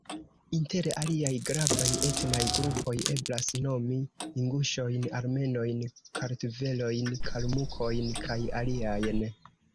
Inter aliaj gravaj etnaj grupoj eblas nomi inguŝojn, armenojn, kartvelojn, kalmukojn kaj aliajn.